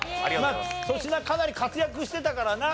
粗品かなり活躍してたからな。